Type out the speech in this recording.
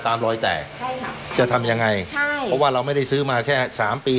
ตามรอยแตกให้จะทำยังไงเราไม่ได้ซื้อมาแค่สามปี